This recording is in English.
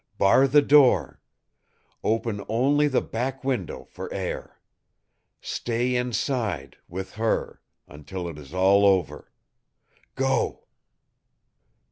Bar the door. Open only the back window for air. Stay inside with her until it is all over. Go!"